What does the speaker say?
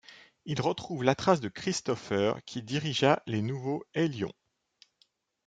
Ils retrouvent la trace de Christopher, qui dirigea les Nouveaux Hellions.